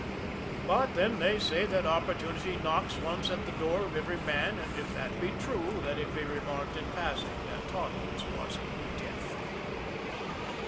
But then they say that opportunity knocks once at the door of every man; and, if that be true, let it be remarked in passing that Toddles wasn't deaf!